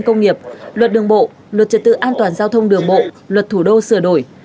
công nghiệp luật đường bộ luật trật tự an toàn giao thông đường bộ luật thủ đô sửa đổi